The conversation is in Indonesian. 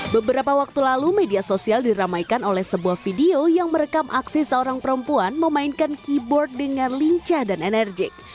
beberapa waktu lalu media sosial diramaikan oleh sebuah video yang merekam aksi seorang perempuan memainkan keyboard dengan lincah dan enerjik